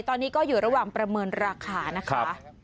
ตอนนี้ก็อยู่ระหว่างประเมินราคานะคะ